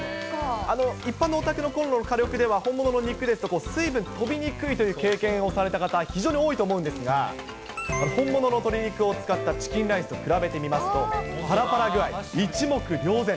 一般のお宅のこんろの火力では本物の肉ですと、水分飛びにくいという経験をされた方、非常に多いと思うんですが、本物の鶏肉を使ったチキンライスと比べてみますと、ぱらぱら具合、一目瞭然。